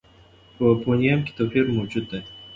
په فونېم کې توپیر موجود دی.